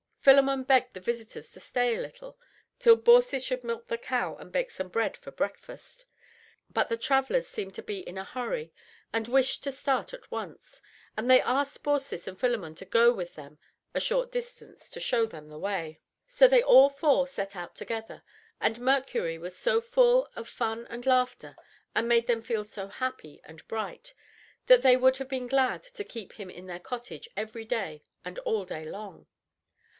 Philemon begged the visitors to stay a little till Baucis should milk the cow and bake some bread for breakfast. But the travelers seemed to be in a hurry and wished to start at once, and they asked Baucis and Philemon to go with them a short distance to show them the way. So they all four set out together, and Mercury was so full of fun and laughter, and made them feel so happy and bright, that they would have been glad to keep him in their cottage every day and all day long.